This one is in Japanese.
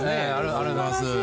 ありがとうございます。